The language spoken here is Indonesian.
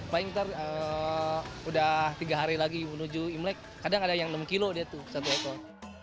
paling ntar udah tiga hari lagi menuju imlek kadang ada yang enam kilo dia tuh satu ekor